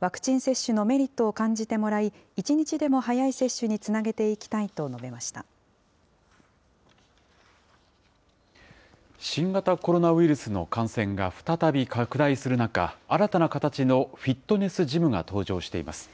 ワクチン接種のメリットを感じてもらい、一日でも早い接種につな新型コロナウイルスの感染が再び拡大する中、新たな形のフィットネスジムが登場しています。